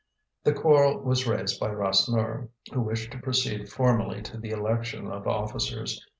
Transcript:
The quarrel was raised by Rasseneur, who wished to proceed formally to the election of officers.